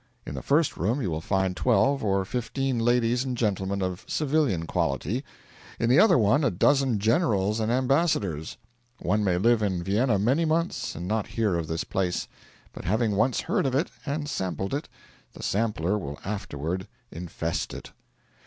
In the first room you will find twelve or fifteen ladies and gentlemen of civilian quality; in the other one a dozen generals and ambassadors. One may live in Vienna many months and not hear of this place; but having once heard of it and sampled it, the sampler will afterward infest it.